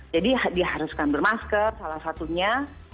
jadi diharuskan bermasker salah satunya